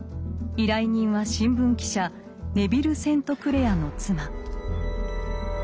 依頼人は新聞記者ネヴィル・セントクレアの妻。